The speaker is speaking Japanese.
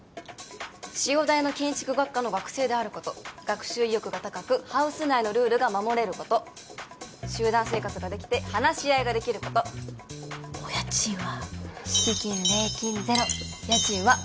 潮大の建築学科の学生であること学習意欲が高くハウス内のルールが守れること集団生活ができて話し合いができることお家賃は？